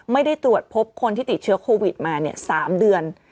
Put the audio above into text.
ไม่ได้ตรวจพบคนที่ติดเชื้อโควิดมา๓เดือน